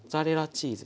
チーズ。